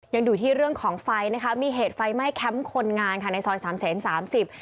ยังดูที่เรื่องของไฟมีเหตุไฟไม่แคมป์คนงานในซอย๓๓๐